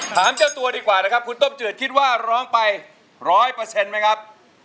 ถามเจ้าตัวดีกว่านะครับคุณต้มจืดคิดว่าร้องไปร้อยเปอร์เซ็นต์ไหมครับ